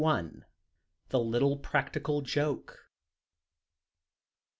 "THE LITTLE PRACTICAL JOKE."